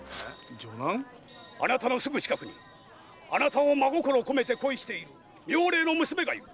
あなたのすぐ近くにあなたを真心こめて恋している妙齢の娘がいる。